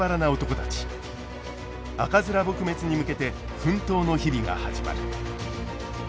赤面撲滅に向けて奮闘の日々が始まる。